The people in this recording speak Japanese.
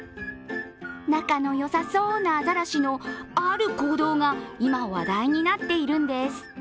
仲の良さそうなアザラシのある行動が今、話題になっているんです。